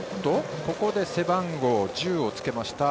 ここで背番号１０をつけた。